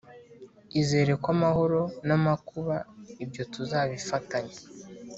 izere ko amahoro n` amakuba ibyo tuzabifatanya